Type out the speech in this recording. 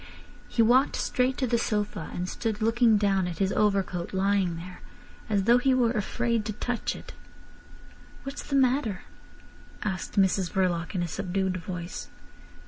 He walked straight to the sofa, and stood looking down at his overcoat lying there, as though he were afraid to touch it. "What's the matter?" asked Mrs Verloc in a subdued voice.